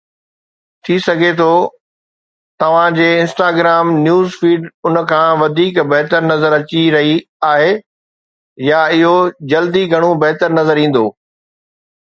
ٿي سگهي ٿو توهان جي انسٽاگرام نيوز فيڊ ان کان وڌيڪ بهتر نظر اچي رهي آهي، يا اهو جلد ئي گهڻو بهتر نظر ايندو